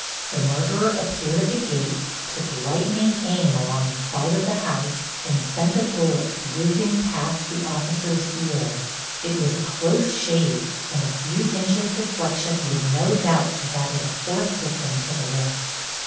The murderer appeared at the gate, took lightning aim along the side of the house, and sent a bullet whizzing past the officer's ear. It was a close shave, and a few inches' deflection would no doubt have added a fourth victim to the list.